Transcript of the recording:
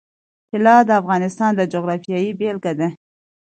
طلا د افغانستان د جغرافیې بېلګه ده.